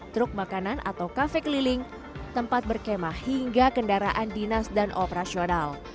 truk makanan atau kafe keliling tempat berkemah hingga kendaraan dinas dan operasional